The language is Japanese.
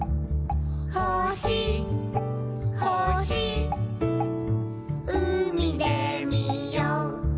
「ほしほしうみでみよう」